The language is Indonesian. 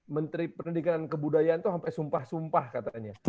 menteri pendidikan dan kebudayaan itu sampai sumpah sumpah katanya